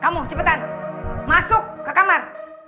kamu cepetan masuk ke kamar